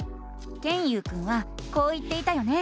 ケンユウくんはこう言っていたよね。